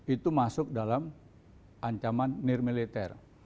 itu masuk dalam ancaman nirmiliter